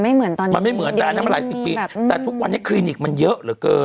นะฮะเท่านี้มันหลายสิบปีแต่ทุกวันนี้ทรินิคมันเยอะเหลือเกิน